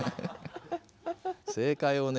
正解をね